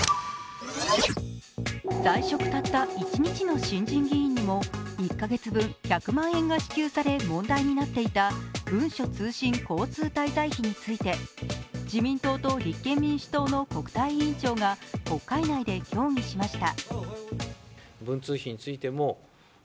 在職たった１日の新人議員にも１カ月分１００万円が支給され、問題になっていた文書通信交通滞在費について自民党と立憲民主党の国対委員長が国会内で協議しました。